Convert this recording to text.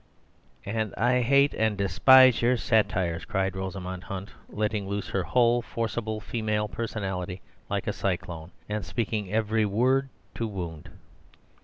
"And I hate and despise your satires," cried Rosamund Hunt, letting loose her whole forcible female personality like a cyclone, and speaking every word to wound.